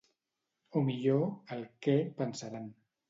O millor, el què-pensaran.